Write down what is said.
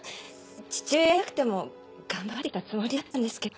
父親がいなくても頑張ってきたつもりだったんですけど。